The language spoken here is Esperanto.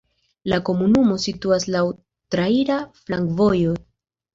La komunumo situas laŭ traira flankovojo.